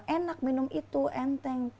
enak minum itu enteng